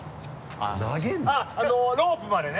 あっロープまでね。